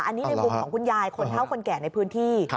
อันนี้ในมุมของคุณยายคนเท่าคนแก่ในพื้นที่